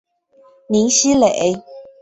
林熙蕾。